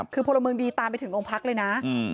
คือพลเมืองดีตามไปถึงโรงพักเลยนะ